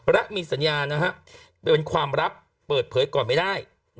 และมีสัญญานะฮะเป็นความลับเปิดเผยก่อนไม่ได้